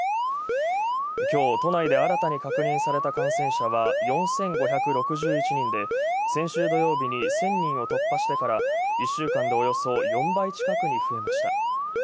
きょう都内で新たに確認された感染者は４５６１人で先週土曜日に１０００人を突破してから１週間でおよそ４倍近くに増えました。